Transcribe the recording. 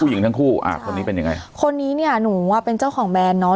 ทั้งคู่อ่าคนนี้เป็นยังไงคนนี้เนี่ยหนูอ่ะเป็นเจ้าของแบรนด์เนอ